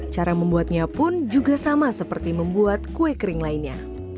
cara membuatnya pun juga sama seperti membuat kue kering lainnya